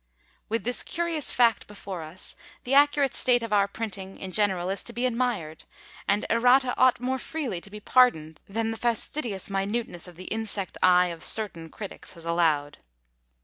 With this curious fact before us, the accurate state of our printing, in general, is to be admired, and errata ought more freely to be pardoned than the fastidious minuteness of the insect eye of certain critics has allowed.